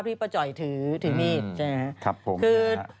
เพราะว่าตอนนี้ก็ไม่มีใครไปข่มครูฆ่า